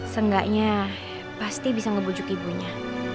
seenggaknya pasti bisa ngebujuk ibunya